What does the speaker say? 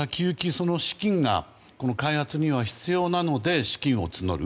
その資金が開発には必要なので資金を募る。